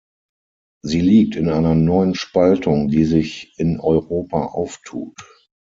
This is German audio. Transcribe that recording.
Sie liegt in einer neuen Spaltung, die sich in Europa auftut.